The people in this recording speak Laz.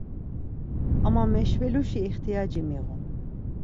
Ama meşveluşi ixtiyaci miğun.